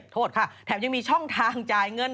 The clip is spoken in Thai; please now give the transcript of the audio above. โทษค่ะแถมยังมีช่องทางจ่ายเงิน